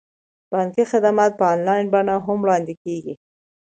بانکي خدمات په انلاین بڼه هم وړاندې کیږي.